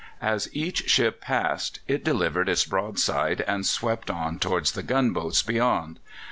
As each ship passed it delivered its broadside and swept on towards the gunboats beyond.